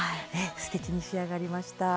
すてきに仕上がりました。